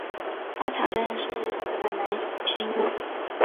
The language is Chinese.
大场真人是日本男性声优。